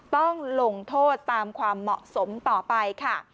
ต้องลงโทษตามความเหมาะสมต่อไปค่ะ